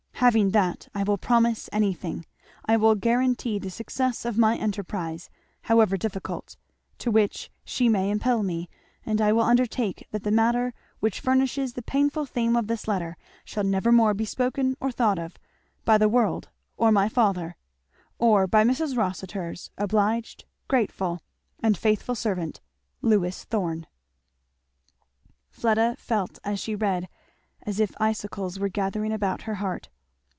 Having that, I will promise anything I will guaranty the success of any enterprise, however difficult, to which she may impel me, and I will undertake that the matter which furnishes the painful theme of this letter shall never more be spoken or thought of, by the world, or my father, or by Mrs. Rossitur's obliged, grateful, and faithful servant, Lewis Thorn." Fleda felt as she read as if icicles were gathering about her heart.